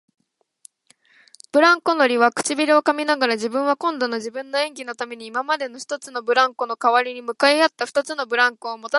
ブランコ乗りは唇をかみながら、自分は今度は自分の演技のために今までの一つのブランコのかわりに向かい合った二つのブランコをもたなければならない、